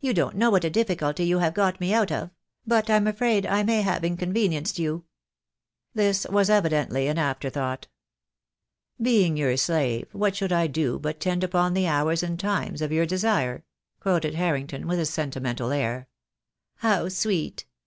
"You don't know what a difficulty you have got me out of; but I'm afraid I may have inconvenienced you." This was evidently an after thought. "'Being your slave, what should I do but tend upon the hours and times of your desire/ " quoted Harrington, with a sentimental air. "How sweet!"